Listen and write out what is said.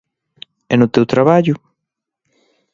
E no teu traballo?